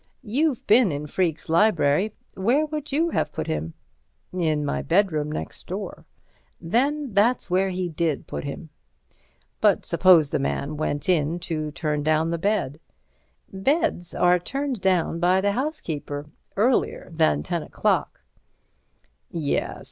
You've been in Freke's library. Where would you have put him?" "In my bedroom next door." "Then that's where he did put him." "But suppose the man went in to turn down the bed?" "Beds are turned down by the housekeeper, earlier than ten o'clock." "Yes...